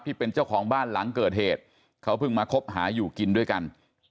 ที่เป็นเจ้าของบ้านหลังเกิดเหตุเขาเพิ่งมาคบหาอยู่กินด้วยกัน